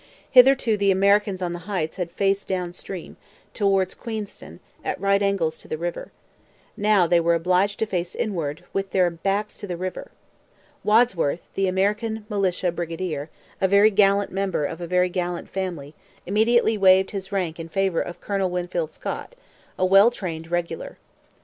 Hitherto the Americans on the Heights had faced down stream, towards Queenston, at right angles to the river. Now they were obliged to face inland, with their backs to the river. Wadsworth, the American militia brigadier, a very gallant member of a very gallant family, immediately waived his rank in favour of Colonel Winfield Scott, a well trained regular.